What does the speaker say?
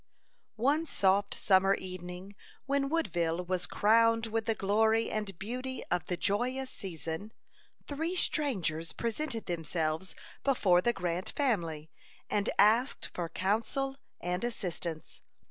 One soft summer evening, when Woodville was crowned with the glory and beauty of the joyous season, three strangers presented themselves before the Grant family, and asked for counsel and assistance.